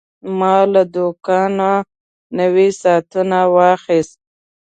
ما له دوکانه نوی ساعت واخیست.